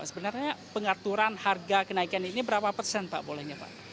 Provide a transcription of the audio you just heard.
sebenarnya pengaturan harga kenaikan ini berapa persen pak bolehnya pak